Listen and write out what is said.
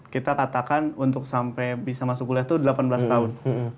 kita katakan untuk sampai bisa masuk kuliah itu delapan belas tahun